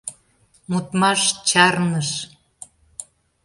Модмаш чарныш.